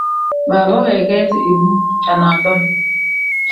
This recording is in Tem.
Baaba weegeezi ibu caanadom.